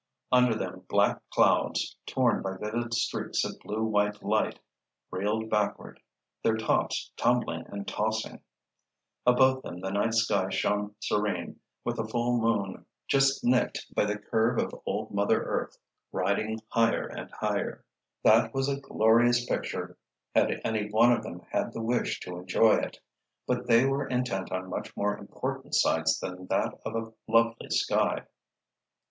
Under them black clouds, torn by vivid streaks of blue white light, reeled backward, their tops tumbling and tossing. Above them the night sky shone serene, with the full moon, just nicked by the curve of old Mother earth, riding higher and higher. That was a glorious picture, had any one of them had the wish to enjoy it. But they were intent on much more important sights than that of a lovely sky.